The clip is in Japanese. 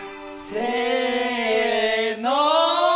せの！